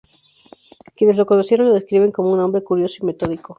Quienes lo conocieron lo describen como un hombre curioso y metódico.